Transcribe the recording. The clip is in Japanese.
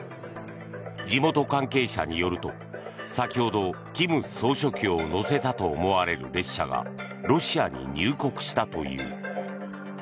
地元関係者によると先ほど、金総書記を乗せたと思われる列車がロシアに入国したという。